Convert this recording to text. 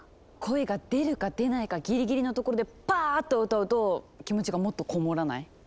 声が出るか出ないかギリギリのところでパーッ！と歌うと気持ちがもっとこもらない？